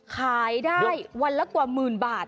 ขายได้วันละกว่าหมื่นบาท